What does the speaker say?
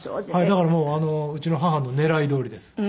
だからもううちの母の狙いどおりです。